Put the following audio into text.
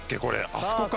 あそこか。